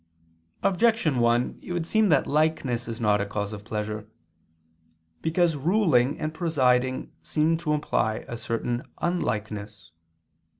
Objection 1: It would seem that likeness is not a cause of pleasure. Because ruling and presiding seem to imply a certain unlikeness.